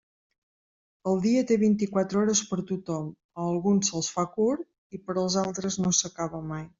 El dia té vint-i-quatre hores per a tothom: a alguns se'ls fa curt i per als altres no s'acaba mai.